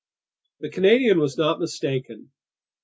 The Canadian was not mistaken.